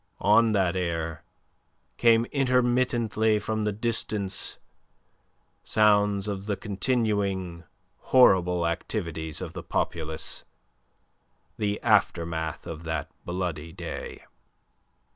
On that air came intermittently from the distance sounds of the continuing horrible activities of the populace, the aftermath of that bloody day.